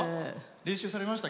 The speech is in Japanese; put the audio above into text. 練習されました？